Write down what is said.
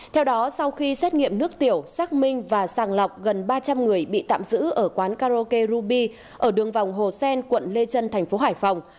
theo đó sau khi xét nghiệm nước tiểu xác minh và sàng lọc gần ba trăm linh người bị tạm giữ ở quán karaoke ruby ở đường vòng hồ sen quận lê trân thành phố hải phòng